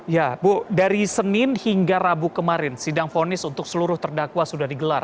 ya bu dari senin hingga rabu kemarin sidang fonis untuk seluruh terdakwa sudah digelar